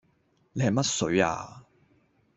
你係乜水啊